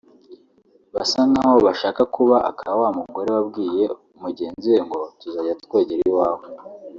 basa nkaho bashaka kuba aka wa mugore wabwiye mugenzi ngo “Tuzajya twogera iwawe